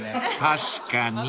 ［確かに］